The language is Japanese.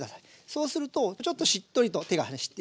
そうするとちょっとしっとりと手がしてきます。